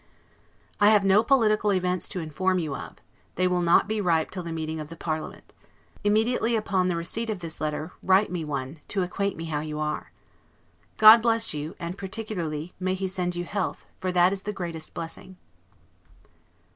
I have no political events to inform you of; they will not be ripe till the meeting of the parliament. Immediately upon the receipt of this letter, write me one, to acquaint me how you are. God bless you; and, particularly, may He send you health, for that is the greatest blessing!